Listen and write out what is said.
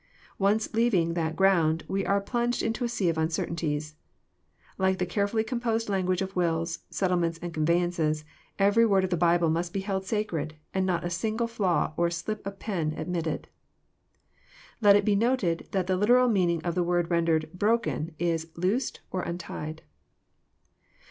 Once leaving that ground, we are plunged in a sea of uncertainties. Like the care fully composed language of IvIIts, settlements, and conveyances, every word of the Bible must be held sacred, and not a single flaw or slip of the pen admitted. Let it be noted that the literal meaning of the word rendered « broken " is loosed or untied.